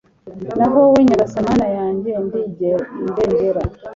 naho wowe, nyagasani, mana yanjye ndegera